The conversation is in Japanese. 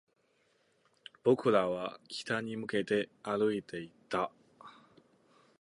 僕らは北に向けて歩いていった